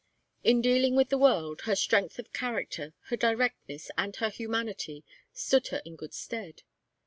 In dealing with the world, her strength of character, her directness and her humanity stood her in good stead.